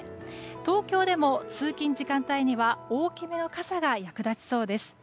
東京でも通勤時間帯には大きめの傘が役立ちそうです。